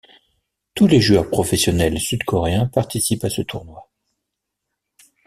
Tous les joueurs professionnels sud-coréens participent à ce tournoi.